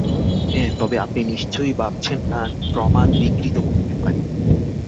হ্যাঁ, তবে আপনি নিশ্চয় ভাবছেন না আমি প্রমাণ বিকৃত করতে পারি?